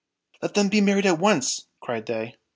" Let them be married at once !" cried they.